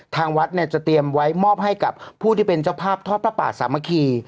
ทางวัดเนี่ยจะเตรียมไว้มอบให้กับผู้ที่เป็นเจ้าภาพทอดพระป่าสามัคคี